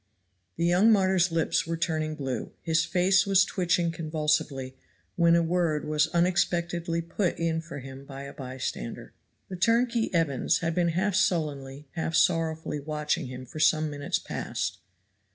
The young martyr's lips were turning blue, his face was twitching convulsively, when a word was unexpectedly put in for him by a bystander. The turnkey Evans had been half sullenly half sorrowfully watching him for some minutes past.